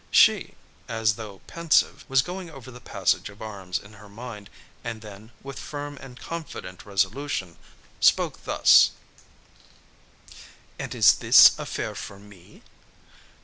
She, as though pensive, was going over the passage of arms in her mind, and then, with firm and confident resolution, spoke thus: "And is this affair for me?"